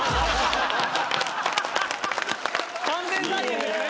完全再現ですね。